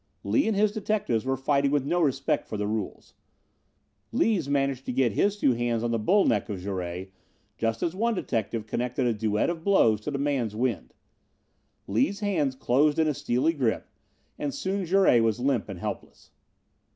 Lees and his detectives were fighting with no respect for the rules. Lees managed to get his two hands on the bull neck of Jouret just as one detective connected a duet of blows to the man's wind. Lees' hands closed in a steely grip, and soon Jouret was limp and helpless.